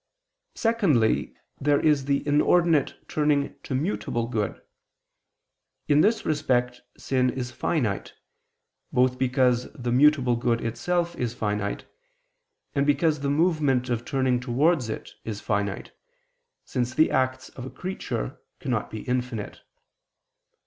Secondly, there is the inordinate turning to mutable good. In this respect sin is finite, both because the mutable good itself is finite, and because the movement of turning towards it is finite, since the acts of a creature cannot be infinite.